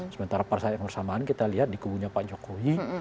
sementara pada saat yang bersamaan kita lihat di kubunya pak jokowi